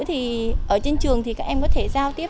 thì ở trên trường thì các em có thể giao tiếp